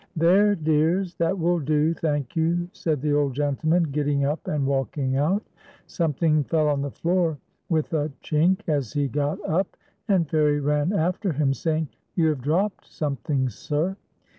"There, dears, that will do, thank you,"' said the old gentleman, getting up and walking out. Something fell on the floor with a chink as he got up, and Fairie ran after him, saying: "You have dropped something, sir."